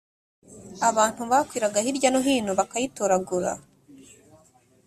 abantu bakwiraga hirya no hino bakayitoragura